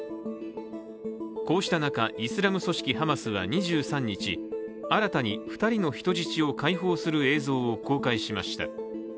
こうした中、イスラム組織ハマスは２３日新たに２人の人質を解放する映像を公開しました。